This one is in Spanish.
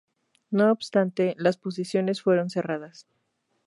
No obstante, las posiciones fueron cerradas.